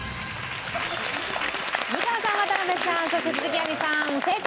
美川さん渡辺さんそして鈴木亜美さん正解。